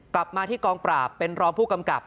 กลับมาที่กองปราบเป็นรองผู้กำกับ